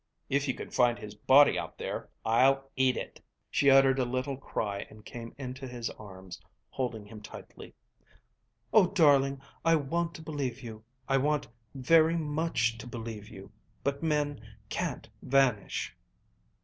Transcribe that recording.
If you can find his body out there, I'll eat it." She uttered a little cry and came into his arms, holding him tightly. "Oh, darling, I want to believe you. I want very much to believe you; but men can't vanish."